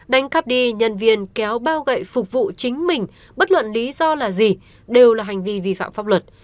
đánh cắp đi nhân viên kéo bao gậy phục vụ chính mình bất luận lý do là gì đều là hành vi vi phạm pháp luật